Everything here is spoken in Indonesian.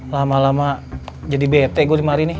lama lama jadi bete gue lima hari nih